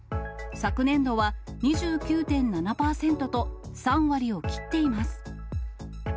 昨年度は２９．７％と、３割を切っています。